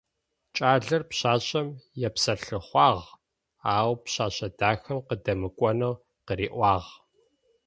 Кӏалэр пшъашъэм епсэлъыхъуагъ, ау пшъэшъэ дахэм къыдэмыкӏонэу къыриӏуагъ.